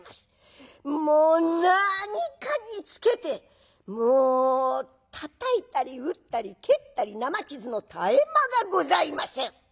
もう何かにつけてたたいたり打ったり蹴ったり生傷の絶え間がございません。